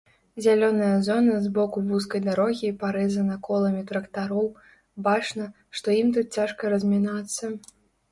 Зялёная зона збоку вузкай дарогі парэзана коламі трактароў, бачна, што ім тут цяжка размінацца.